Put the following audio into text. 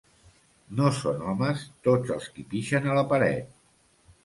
No són homes tots els qui pixen a la paret.